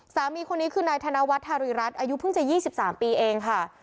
สามีคนนี้คือนายธนวัฒน์ธาริรัตน์อายุเพิ่งจะยี่สิบสามปีเองค่ะ